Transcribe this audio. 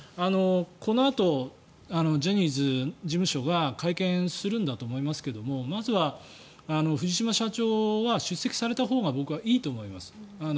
このあと、ジャニーズ事務所が会見するんだと思いますがまずは藤島社長は出席されたほうが僕はいいと思います。